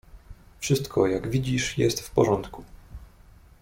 "Wszystko, jak widzisz, jest w porządku."